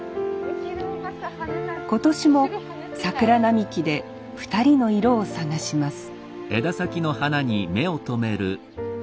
今年も桜並木で２人の色を探します